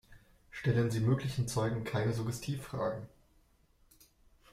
Stellen Sie möglichen Zeugen keine Suggestivfragen.